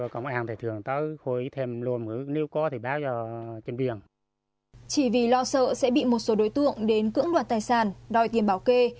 chỉ vì lo sợ sẽ bị một số đối tượng đến cưỡng đoạt tài sản đòi tiền bảo kê